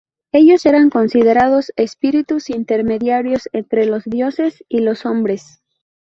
Ellos eran considerados espíritus intermediarios entre los dioses y los hombres.